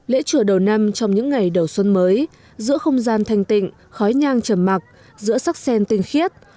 lễ chùa đầu năm trong những ngày đầu xuân mới giữa không gian thanh tịnh khói nhang trầm mặc giữa sắc sen tinh khiết